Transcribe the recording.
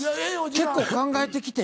結構考えてきて。